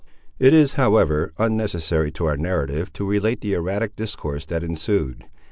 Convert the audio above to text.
It is, however, unnecessary to our narrative to relate the erratic discourse that ensued.